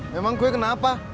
memang gue kenapa